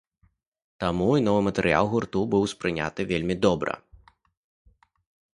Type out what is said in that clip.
Таму і новы матэрыял гурту быў успрыняты вельмі добра.